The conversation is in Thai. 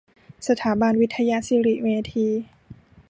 สถาบันวิทยสิริเมธี